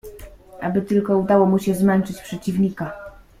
"Aby tylko udało mu się zmęczyć przeciwnika."